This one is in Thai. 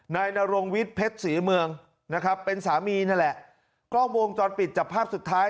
นายนรงวิทย์เพชรศรีเมืองนะครับเป็นสามีนั่นแหละกล้องวงจรปิดจับภาพสุดท้าย